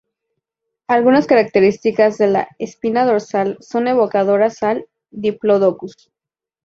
Algunas características de la espina dorsal son evocadoras al "Diplodocus".